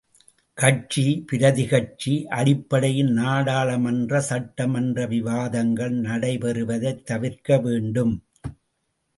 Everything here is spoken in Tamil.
கட்சி பிரதி கட்சி அடிப்படையில் நாடாளுமன்ற சட்டமன்ற விவாதங்கள் நடைபெறுவதைத் தவிர்க்க வேண்டும்.